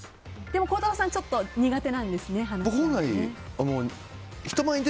でも孝太郎さんはちょっと苦手なんですね話し合いは。